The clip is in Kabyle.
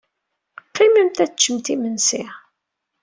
Qqimemt ad teččemt imensi.